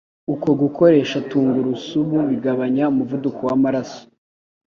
Uko gukoresha tungurusumu bigabanya umuvuduko w'amaraso.